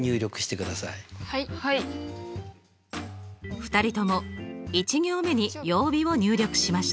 ２人とも１行目に「曜日」を入力しました。